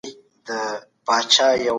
ملتونو به په قانون کي مساوات رامنځته کول.